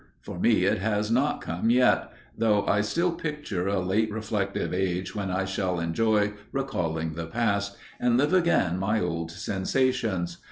For me it has not come yet, though I still picture a late reflective age when I shall enjoy recalling the past, and live again my old sensations.